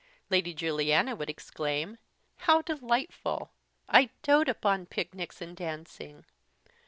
Lady Juliana would exclaim, "How delightful! I doat upon picnics and dancing!